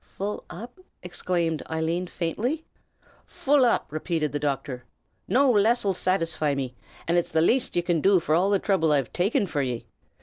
"Full up?" exclaimed Eileen, faintly. "Full up!" repeated the doctor. "No less'll satisfy me, and it's the laste ye can do for all the throuble I've taken forr ye.